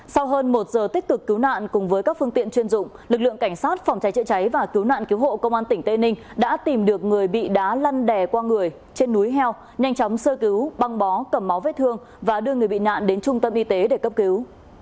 sau hơn một giờ tích cực cứu nạn cùng với các phương tiện chuyên dụng lực lượng cảnh sát phòng cháy chữa cháy và cứu nạn cứu hộ công an tỉnh tây ninh đã tìm được người bị đá lăn đè qua người trên núi heo nhanh chóng sơ cứu băng bó cầm máu vết thương và đưa người bị nạn đến trung tâm y tế để cấp cứu